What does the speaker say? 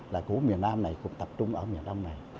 là của miền nam này cũng tập trung ở miền đông này